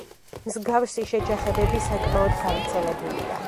მსგავსი შეჯახებები საკმაოდ გავრცელებულია.